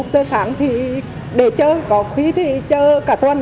giờ tháng thì để chờ có khí thì chờ cả tuần